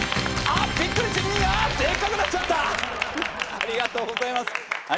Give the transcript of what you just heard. ありがとうございます。